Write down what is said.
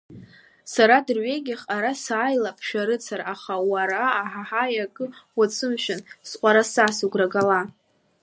Сара дырҩегьых ара сааилап шәарыцара, аха уара, аҳаҳаи, акы уацәымшәан, сҟәараса, сыгәра гала.